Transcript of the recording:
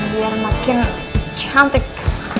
biar makin cantik